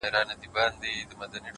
د ژوندون ساز كي ائينه جوړه كړي ـ